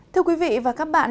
thưa quý vị và các bạn